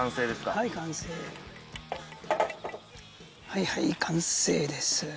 はいはい完成です。